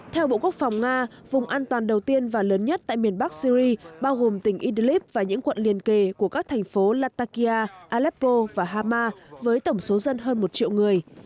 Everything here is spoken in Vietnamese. theo bộ quốc phòng nga vùng an toàn đầu tiên và lớn nhất tại miền bắc syri bao gồm tỉnh idlib và những quận liền kề của các thành phố latakia aleppro và hama với tổng số dân hơn một triệu người